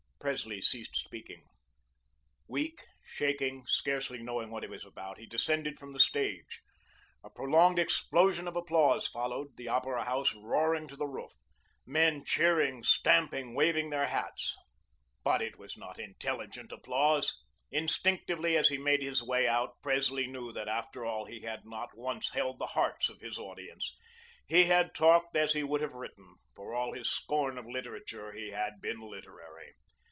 Presley ceased speaking. Weak, shaking, scarcely knowing what he was about, he descended from the stage. A prolonged explosion of applause followed, the Opera House roaring to the roof, men cheering, stamping, waving their hats. But it was not intelligent applause. Instinctively as he made his way out, Presley knew that, after all, he had not once held the hearts of his audience. He had talked as he would have written; for all his scorn of literature, he had been literary.